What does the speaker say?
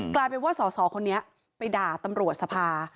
กลายเป็นว่าสอสอคนนี้ไปด่าตำรวจสภา